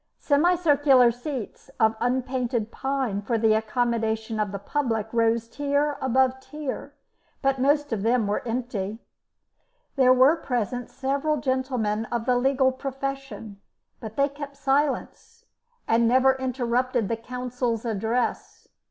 Semicircular seats of unpainted pine for the accommodation of the public rose tier above tier, but most of them were empty. There were present several gentlemen of the legal profession, but they kept silence, and never interrupted the counsel's address.